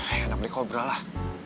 eh anak black cobra lah